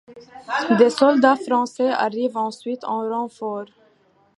Des soldats français arrivent ensuite en renfort.